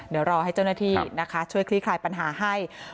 เดี๋ยวรอให้เจ้าหน้าที่นะคะช่วยคลี่คลายปัญหาให้